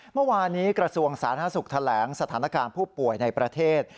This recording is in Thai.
เมื่อวานี้กระทรวงสาธารณสุขแถลงสถานการณ์ผู้ป่วยในประเทศ